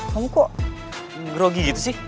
kamu kok grogi gitu sih